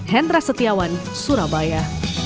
hendra setiawan surabaya